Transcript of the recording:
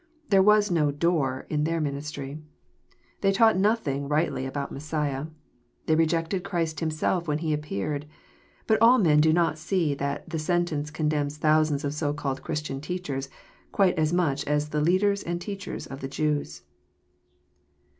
There was no " door^' in their ministry. They taught nothing^ightly about Messiah. They rejected Christ Himself when He appeared, — but all men do not see that the sentence condemns thousands of so called Christian teachers, quite as much as the leaders and teachers of the Jews.